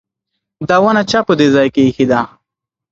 دا ونه چا په دې ځای کې ایښې ده؟